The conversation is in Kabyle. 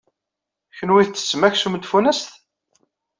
Kunwi tettem aksum n tfunast?